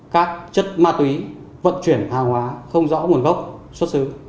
các chất ma túy vận chuyển hàng hóa không rõ nguồn gốc xuất xứ